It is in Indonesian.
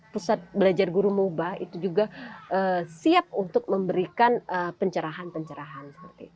pusat belajar guru moba itu juga siap untuk memberikan pencerahan pencerahan